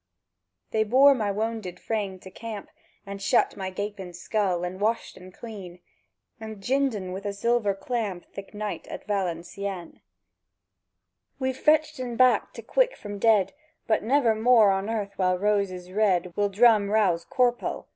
They bore my wownded frame to camp, And shut my gapèn skull, and washed en cleän, And jined en wi' a zilver clamp Thik night at Valencieën. "We've fetched en back to quick from dead; But never more on earth while rose is red Will drum rouse Corpel!"